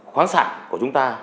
khoáng sản của chúng ta